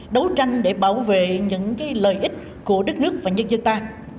đấu tranh để bảo vệ những lợi ích của đất nước và nhân dân ta